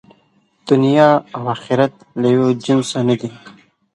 دنیا او آخرت له یوه جنسه نه دي.